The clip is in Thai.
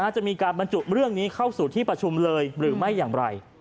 จะมีการบรรจุเรื่องนี้เข้าสู่ที่ประชุมเลยหรือไม่อย่างไร